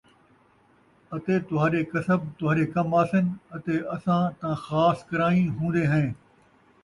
اَتے تُہاݙے کسب تہاݙے کم آسِن، اَتے اَساں تاں خاص کرائیں ہُوندے ہَیں ۔